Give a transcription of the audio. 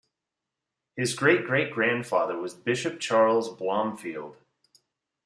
His great great grandfather was Bishop Charles Blomfield.